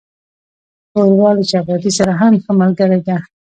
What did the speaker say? ښوروا له چپاتي سره هم ښه ملګری ده.